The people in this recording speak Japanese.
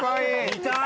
見たい！